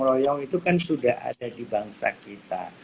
royong itu kan sudah ada di bangsa kita